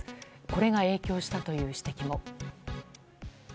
これが影響したとの指摘も。